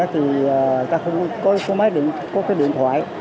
thì ta không có máy điện thoại